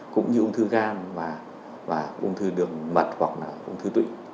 cũng như ung thư gan và ung thư đường mật hoặc là ung thư tụy